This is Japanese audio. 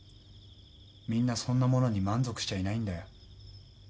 みんなそんなものに満足しちゃいないんだよ。